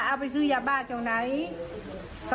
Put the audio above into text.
นักข่าวเราคุยกับป้าลินะครับป้าลิเนี่ยก็เล่าให้ฟังนะครับ